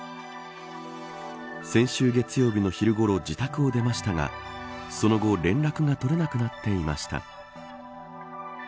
先週月曜日の昼ごろ自宅を出ましたがその後連絡が取れなくなっていました。